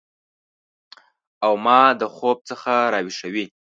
او ما د خوب څخه راویښوي